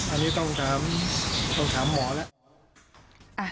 อันนี้ต้องถามหมอแล้ว